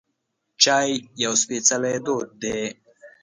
چای یو سپیڅلی دود دی.